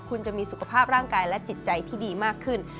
คุณจะมีสุขภาพร่างกายและจิตใจที่ดีมากขึ้น